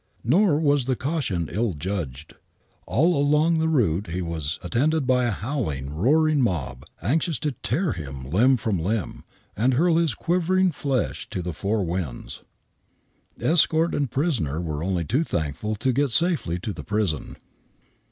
Nor was the caution ill judged. All along the route he was attended by a howling, roaring mob, anxious to tear him limb from limb, and hurl his quivering flash to the four winds. Escort and prisoner were only too thankful to get safely to the prison.